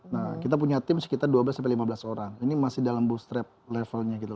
nah kita punya tim sekitar dua belas sampai lima belas orang ini masih dalam boost trap levelnya gitu